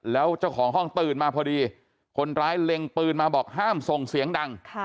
แล้วเจ้าของห้องตื่นมาพอดีคนร้ายเล็งปืนมาบอกห้ามส่งเสียงดัง